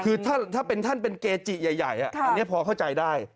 คือถ้าเป็นท่านเป็นเกจิใหญ่อันนี้พอเข้าใจได้